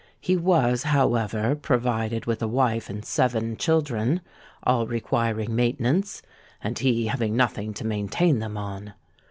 He was, however, provided with a wife and seven children—all requiring maintenance, and he having nothing to maintain them on.